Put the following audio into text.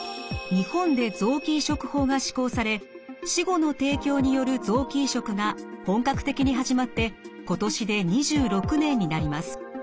日本で臓器移植法が施行され死後の提供による臓器移植が本格的に始まって今年で２６年になります。